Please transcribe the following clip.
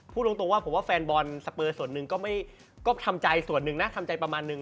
พูดตรงว่าผมว่าแฟนบอลสเปอร์ส่วนหนึ่งก็ทำใจส่วนหนึ่งนะทำใจประมาณนึง